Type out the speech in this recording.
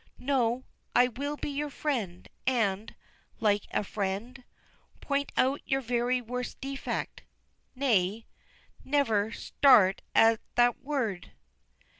No I will be your friend and, like a friend, Point out your very worst defect Nay, never Start at that word!